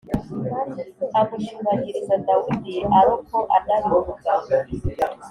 amushimagiriza Dawidi aroko anabivuga